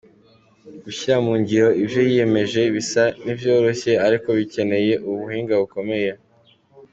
Gushira mu ngiro ivyo biyemeje bisa n'ivyoroshe ariko bikeneye ubuhinga bukomeye.